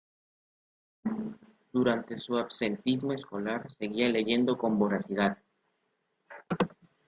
Durante su absentismo escolar, seguía leyendo con voracidad.